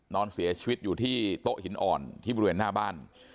นอนเสียชีวิตอยู่ที่โต๊ะหินอ่อนที่บริเวณหน้าบ้าน